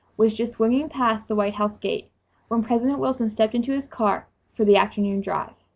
was just swinging past the White House gate, when President Wilson stepped into his car for the afternoon drive.